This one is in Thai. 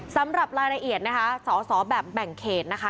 สำหรับรายละเอียดนะคะสอสอแบบแบ่งเขตนะคะ